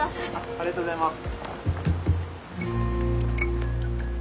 ありがとうございます。